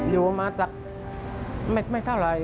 อยู่มาสักไม่เท่าไหร่